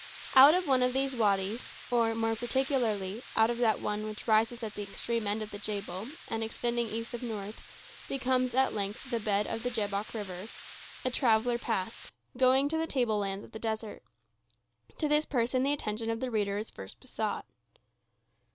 Out of one of these wadies—or, more particularly, out of that one which rises at the extreme end of the Jebel, and, extending east of north, becomes at length the bed of the Jabbok River—a traveller passed, going to the table lands of the desert. To this person the attention of the reader is first besought.